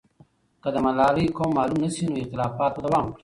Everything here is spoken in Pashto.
که د ملالۍ قوم معلوم نه سي، نو اختلافات به دوام وکړي.